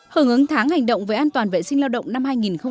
hưởng ứng tháng hành động về an toàn vệ sinh lao động năm hai nghìn một mươi chín